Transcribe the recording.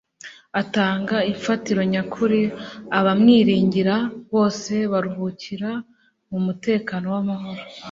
Atanga imfatiro nyakuri. Abamwiringira bose baruhukira mu mutekano w'amahoro.